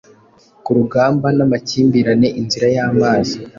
Kurugamba namakimbirane inzira yamazi